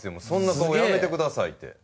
そんな顔やめてくださいって。